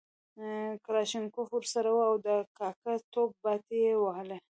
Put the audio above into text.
کلاشینکوف ورسره وو او د کاکه توب باټې یې وهلې.